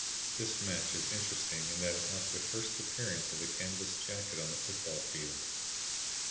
This match is interesting in that it marked the first appearance of the canvas jacket on the football field.